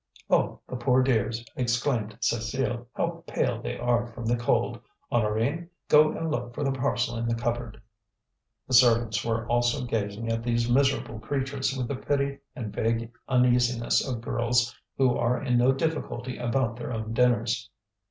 "Oh! the poor dears!" exclaimed Cécile, '"how pale they are from the cold! Honorine, go and look for the parcel in the cupboard." The servants were also gazing at these miserable creatures with the pity and vague uneasiness of girls who are in no difficulty about their own dinners.